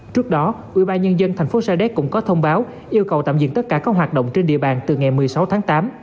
trước đó ubnd tp sa đéc cũng có thông báo yêu cầu tạm dừng tất cả các hoạt động trên địa bàn từ ngày một mươi sáu tháng tám